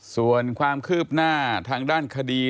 ส่วนความคืบหน้าทางด้านคดี